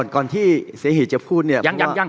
ก่อนที่เสียหิตจะพูดเนี่ยว่ายังอยู่